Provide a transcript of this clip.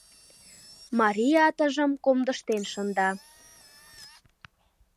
Марий атыжым комдыштен шында.